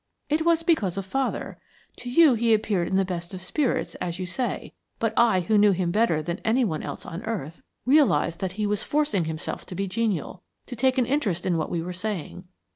"It was because of father. To you he appeared in the best of spirits, as you say, but I, who knew him better than any one else on earth, realized that he was forcing himself to be genial, to take an interest in what we were saying.